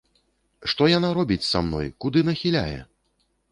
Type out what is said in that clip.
Што яна робіць са мной, куды нахіляе?